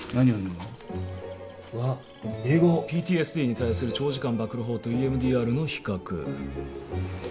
「ＰＴＳＤに対する長時間曝露法とＥＭＤＲの比較」